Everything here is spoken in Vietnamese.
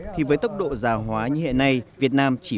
thì với tốc độ già hóa như hiện nay việt nam chỉ mất một mươi năm